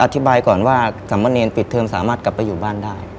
อธิบายก่อนว่าสามเณรปิดเทิมสามารถกลับไปอยู่บ้านได้